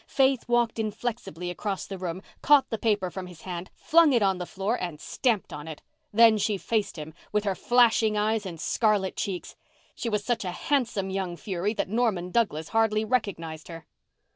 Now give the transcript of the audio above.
Faith walked inflexibly across the room, caught the paper from his hand, flung it on the floor and stamped on it. Then she faced him, with her flashing eyes and scarlet cheeks. She was such a handsome young fury that Norman Douglas hardly recognized her.